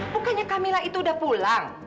bukannya camilla itu udah pulang